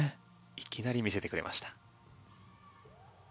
いきなり見せてくれました。